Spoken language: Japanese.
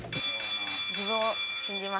自分を信じます。